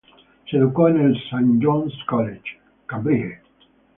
Se educó en el St John's College, Cambridge.